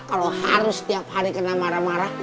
kalau harus setiap hari kena marah marah